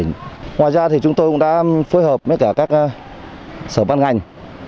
ngoài ra chúng tôi cũng đã phối hợp với các sở bán ngành